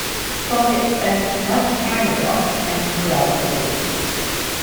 Plunkett spent much time abroad and throughout Italy.